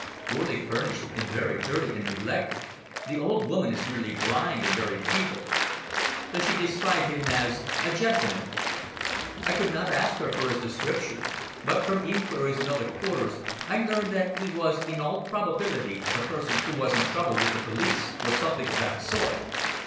"Poorly furnished, and very dirty and neglected. The old woman is nearly blind and very feeble." "Does she describe him as a gentleman?" "I could not ask her for his description, but from inquiries in other quarters I learned that he was in all probability a person who was in trouble with the police, or something of that sort.